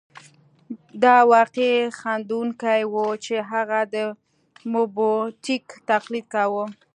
دا واقعاً خندوونکې وه چې هغه د موبوتیک تقلید کاوه.